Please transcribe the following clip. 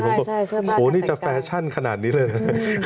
ผมก็บอกโอ้โหนี่จะแฟชั่นขนาดนี้เลยนะครับ